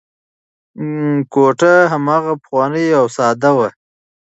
کوټه هماغه پخوانۍ او ساده وه.